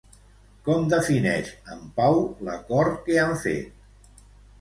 Com defineix en Pau l'acord que han fet?